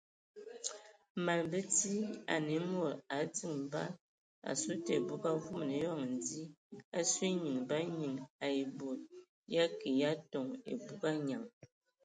Man bəti anə a mod a diŋ bad asu te ebug avuman eyɔŋ dzi asu enyiŋ ba nyiŋ ai bod ya kə ya toŋ ebug anyaŋ.